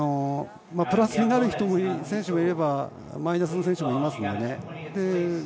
プラスになる選手もいればマイナスの選手もいますので。